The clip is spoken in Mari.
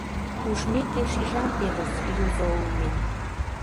Ужмеке, шижам, тевыс, юзо улмем.